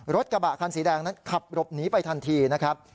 รถกระบะคันสีแดงนั้นขับหลบหนีไปทันทีนะครับ